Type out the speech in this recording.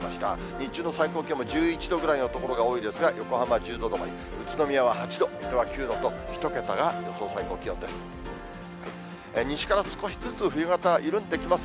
日中の最高気温も１１度ぐらいの所が多いですが、横浜１０度止まり、宇都宮は８度、水戸は９度と、１桁が予想最高気温です。